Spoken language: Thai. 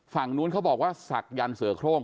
ฝั่งนู้นเขาบอกว่าศักยันต์เสือโครง